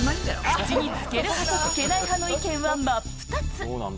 口につける派とつけない派の意見は真っ二つ。